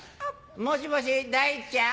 「もしもし太ちゃん？」。